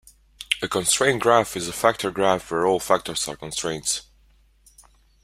A constraint graph is a factor graph where all factors are constraints.